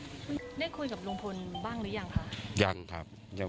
ได้คุยกับลุงพลบ้างหรือยังคะ